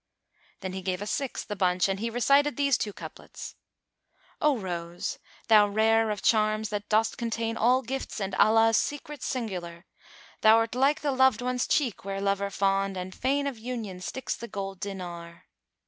Then he gave a sixth a bunch and he recited these two couplets, "O Rose, thou rare of charms that dost contain * All gifts and Allah's secrets singular, Thou'rt like the loved one's cheek where lover fond * And fain of Union sticks the gold dinar."